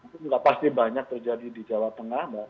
tidak pasti banyak terjadi di jawa tengah